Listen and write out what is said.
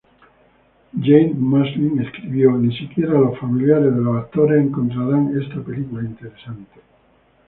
Janet Maslin escribió: "Ni siquiera los familiares de los actores encontrarán esta película interesante".